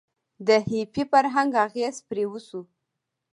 د هیپي فرهنګ اغیز پرې وشو.